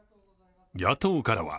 野党からは